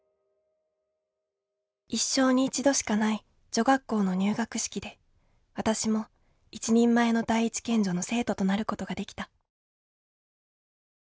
一生に一度しかない女学校の入学式で私も一人前の第一県女の生徒となることができた。